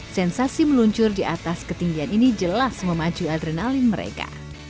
sensasi meluncur di atas ketinggian ini jelas memacu adrenalin mereka